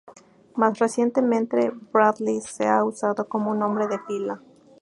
Más recientemente, Bradley se ha usado como un nombre de pila.